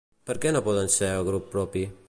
Per què no poden ser grup propi?